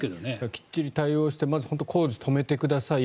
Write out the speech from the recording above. きっちり対応してまず、本当に工事を止めてください